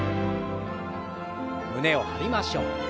胸を張りましょう。